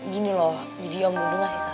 gini loh jadi yang bunduh masih sarang